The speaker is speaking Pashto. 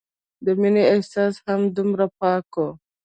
د مينې احساس هم دومره پاک وو